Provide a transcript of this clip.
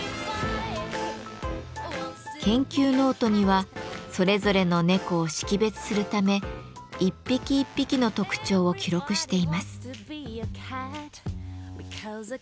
研究ノートにはそれぞれの猫を識別するため１匹１匹の特徴を記録しています。